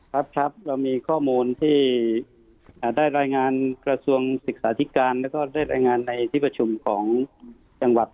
ครับครับเรามีข้อมูลที่ได้รายงานกระทรวงศึกษาธิการแล้วก็ได้รายงานในที่ประชุมของจังหวัด